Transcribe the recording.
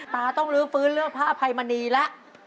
ตาต้องรู้ฟื้นเรื่องภาพัยมณีแล้ว